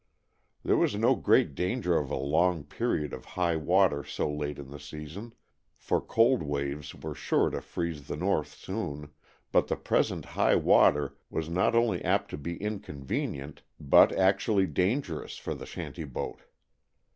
There was no great danger of a long period of high water so late in the season, for cold waves were sure to freeze the North soon, but the present high water was not only apt to be inconvenient but actually dangerous for the shanty boat.